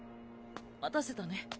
待たせたね。